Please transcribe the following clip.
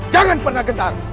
jangan pernah gentar